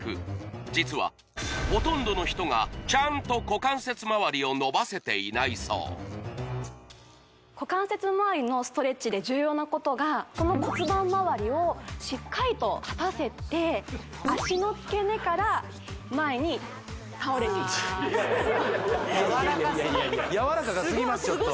実はほとんどの人がちゃんと股関節周りを伸ばせていないそう股関節周りのストレッチで重要なことがこの骨盤周りをしっかりと立たせて脚の付け根から前に倒れていく柔らかすぎ柔らかがすぎます